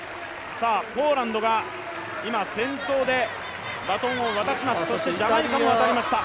ポーランドが今、先頭でバトンを渡しました。